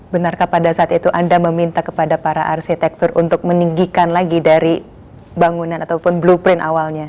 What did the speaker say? benarkah pada saat itu anda meminta kepada para arsitektur untuk meninggikan lagi dari bangunan ataupun blueprint awalnya